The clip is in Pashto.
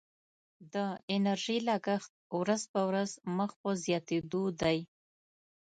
د انرژي لګښت ورځ په ورځ مخ په زیاتیدو دی.